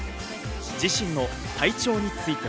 自身の体調については。